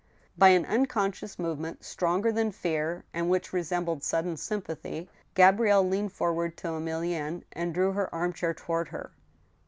By an unconscious movement, stronger than fear, and which resembled sudden sympathy, Gabrielle leaned forward to Emilienne, and drew her arm chair toward her.